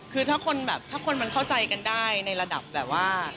คือถ้าคนเข้าใจกันได้ในระดับแบบว่า